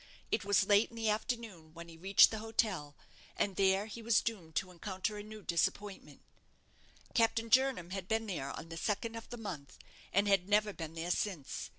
It was late in the afternoon when he reached the hotel; and there he was doomed to encounter a new disappointment. Captain Jernam had been there on the second of the month, and had never been there since.